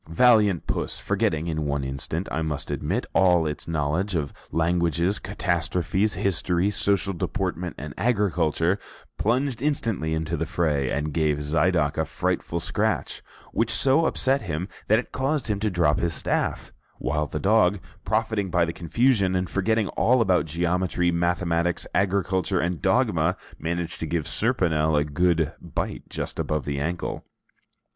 Valiant Puss, forgetting in one instant, I must admit, all its knowledge of languages, catastrophes, history, social deportment, and agriculture, plunged instantly into the fray, and gave Zidoc a frightful scratch, which so upset him that it caused him to drop his staff, while the dog profiting by the confusion, and forgetting all about geometry, mathematics, agriculture, and dogma, managed to give Serponel a good bite just above the ankle.